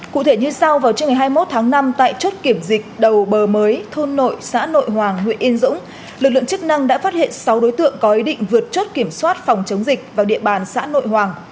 cụ thể như sau vào trưa ngày hai mươi một tháng năm tại chốt kiểm dịch đầu bờ mới thôn nội xã nội hoàng huyện yên dũng lực lượng chức năng đã phát hiện sáu đối tượng có ý định vượt chốt kiểm soát phòng chống dịch vào địa bàn xã nội hoàng